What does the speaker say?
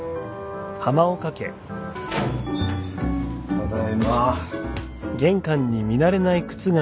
ただいま。